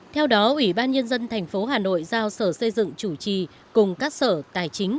theo đó ủy ban nhân dân tp hà nội giao sở xây dựng chủ trì cùng các sở tài chính